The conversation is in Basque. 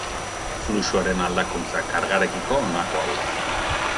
Fluxuaren aldakuntza kargarekiko honako hau da.